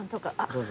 どうぞ。